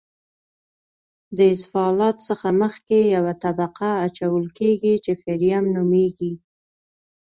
د اسفالټ څخه مخکې یوه طبقه اچول کیږي چې فریم نومیږي